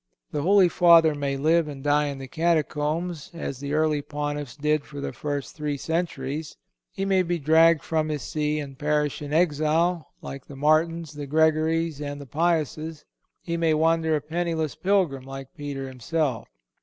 The Holy Father may live and die in the catacombs, as the early Pontiffs did for the first three centuries. He may be dragged from his See and perish in exile, like the Martins, the Gregories and the Piuses. He may wander a penniless pilgrim, like Peter himself.